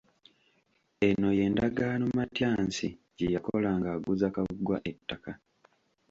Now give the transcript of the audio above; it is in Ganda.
Eno ye ndagaano Matyansi gye yakola ng'aguza Kaggwa ettaka.